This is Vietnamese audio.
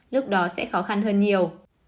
lúc đó sẽ khó khăn hơn nhiều